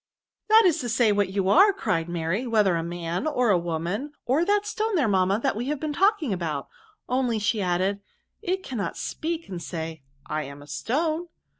•That is to say, what you are," cried Mary, '^•whether a man, or a woman, or that stone there, mamma, that we have been talking about ; only," added she, " it cannot speak and say, I am a stone.